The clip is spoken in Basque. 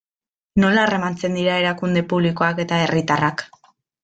Nola harremantzen dira erakunde publikoak eta herritarrak?